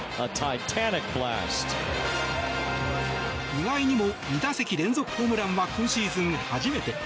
意外にも２打席連続ホームランは今シーズン初めて。